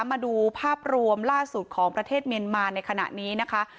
มาดูภาพรวมล่าสุดของประเทศเมียนมาในขณะนี้นะคะ